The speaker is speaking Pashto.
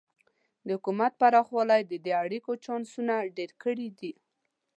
د حکومت پراخوالی د دې اړیکو چانسونه ډېر کړي دي.